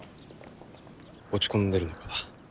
落ち込んでるのか？